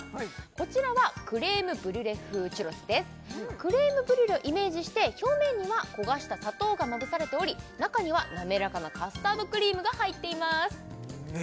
こちらはクレームブリュレ風チュロスですクレームブリュレをイメージして表面には焦がした砂糖がまぶされており中には滑らかなカスタードクリームが入っています